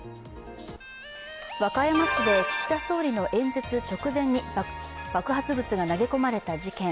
和歌山市で岸田総理の演説直前に爆発物が投げ込まれた事件。